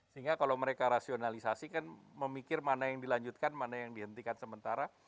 sehingga kalau mereka rasionalisasi kan memikir mana yang dilanjutkan mana yang dihentikan sementara